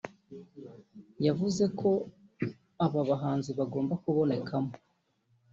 yavuze ko aba bahanzi bagomba kubonekamo